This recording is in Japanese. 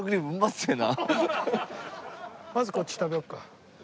まずこっち食べようか。